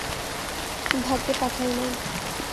ভাগ্যে পাঠাই নাই।